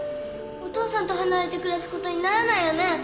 お父さんと離れて暮らす事にならないよね？